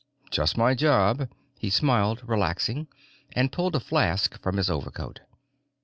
"Just my job." He smiled, relaxing, and pulled a flask from his overcoat.